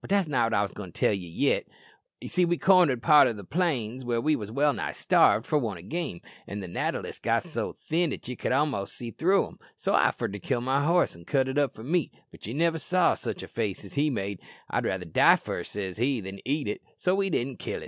"But that's not what I wos goin' to tell ye yit. We corned to a part o' the plains where we wos well nigh starved for want o' game, an' the natter list got so thin that ye could a'most see through him, so I offered to kill my horse, an' cut it up for meat; but you niver saw sich a face he made. 'I'd rather die first,' says he, 'than eat it;' so we didn't kill it.